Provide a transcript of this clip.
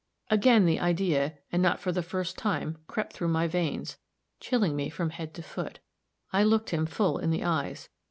Again the idea, and not for the first time, crept through my veins, chilling me from head to foot. I looked him full in the eyes.